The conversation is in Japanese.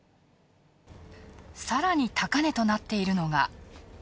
さらに高値となっているのが。